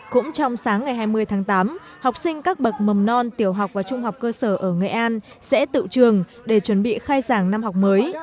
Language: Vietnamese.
cũng trong sáng ngày hai mươi tháng tám học sinh các bậc mầm non tiểu học và trung học cơ sở ở nghệ an sẽ tự trường để chuẩn bị khai giảng năm học mới